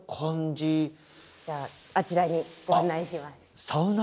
じゃああちらにご案内します。